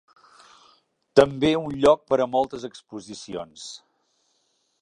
També un lloc per a moltes exposicions.